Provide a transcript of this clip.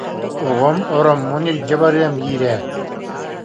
Оҕом ороммун илдьэ барыам диир ээ